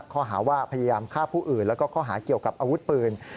ข้อหาว่าพยายามฆ่าผู้อื่นแล้วก็ข้อหาเกี่ยวกับอาวุธปืน